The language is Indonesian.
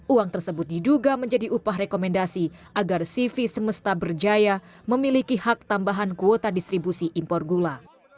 uang tersebut diduga menjadi upah rekomendasi agar sivi semesta berjaya memiliki hak tambahan kuota distribusi impor gula